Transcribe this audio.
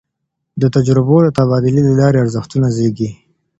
د تجربو د تبادلې له لاري ارزښتونه زېږي.